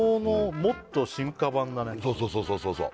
そうそうそうそう